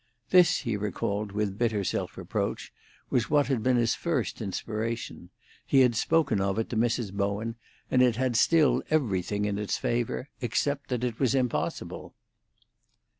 This, he recalled, with bitter self reproach was what had been his first inspiration; he had spoken of it to Mrs. Bowen, and it had still everything in its favour except that it was impossible.